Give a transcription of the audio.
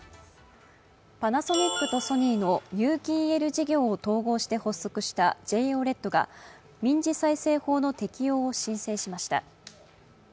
パナソニックのソニーの有機ＥＬ事業を統合して発足したＪＯＬＥＤが民事再生法の適用を申請しました。